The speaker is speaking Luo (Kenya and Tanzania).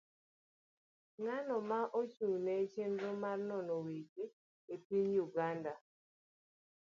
Ng'ano ma ochung' ne chenro mar nono weche e piny Uganda